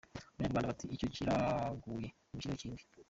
Abanyarwanda bati "Icyo kiraguye nimushyireho ikindi.